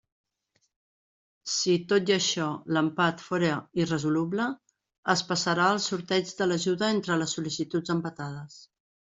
Si, tot i això, l'empat fóra irresoluble, es passarà al sorteig de l'ajuda entre les sol·licituds empatades.